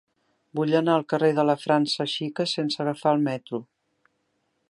Vull anar al carrer de la França Xica sense agafar el metro.